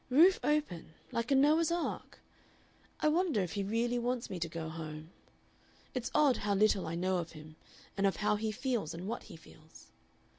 Roof open like a Noah's Ark. I wonder if he really wants me to go home. It's odd how little I know of him, and of how he feels and what he feels."